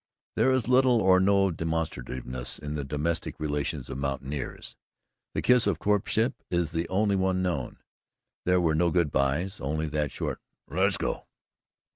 There is little or no demonstrativeness in the domestic relations of mountaineers. The kiss of courtship is the only one known. There were no good bys only that short "Let's go!"